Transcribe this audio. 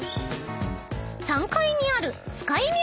［３階にある］